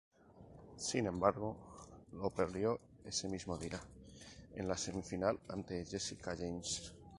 Sin embargo, lo perdió ese mismo día en la semifinal ante Jessica James.